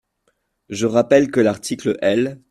Je rappelle que l’article L.